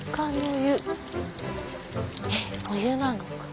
えっお湯なのか。